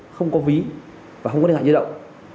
không có ví và không có liên hệ di động